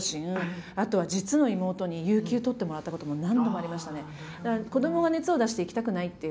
あとは実の妹に有休取ってもらったことも何度もありましたね。